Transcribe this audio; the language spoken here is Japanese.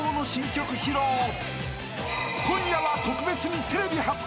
［今夜は特別にテレビ初公開］